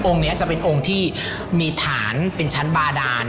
นี้จะเป็นองค์ที่มีฐานเป็นชั้นบาดาน